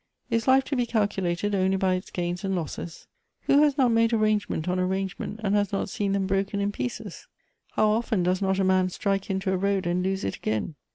Is life to be calculated only by its gains and losses ? "Who has not made arrangement on arrangement, and has not seen them broken in pieces? How often does not a man strike into a road and lose it again